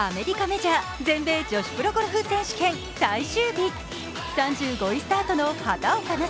メジャー全米女子プロゴルフ選手権最終日３５位スタートの畑岡奈